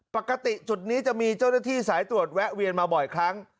ปกติจุดนี้จะมีเจ้าหน้าที่สายตรวจแวะเวียนมาบ่อยครั้ง